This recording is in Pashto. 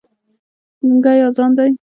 ګونګی اذان دی